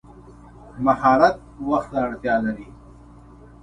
مهارت وخت ته اړتیا لري.